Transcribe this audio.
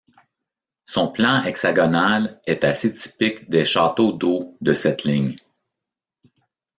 Son plan hexagonal est assez typique des châteaux d'eau de cette ligne.